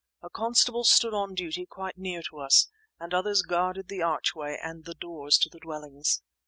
A constable stood on duty quite near to us, and others guarded the archway and the doors to the dwellings.